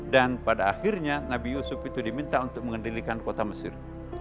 dan pada akhirnya nabi yusuf itu diminta untuk mengendalikan kota mesir